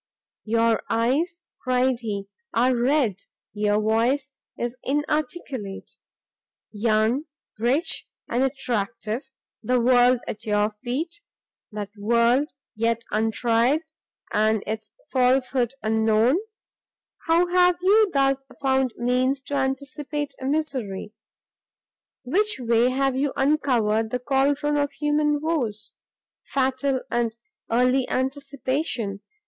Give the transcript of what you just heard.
"Your eyes," cried he, "are red, your voice is inarticulate; young, rich, and attractive, the world at your feet; that world yet untried, and its falsehood unknown, how have you thus found means to anticipate misery? which way have you uncovered the cauldron of human woes? Fatal and early anticipation!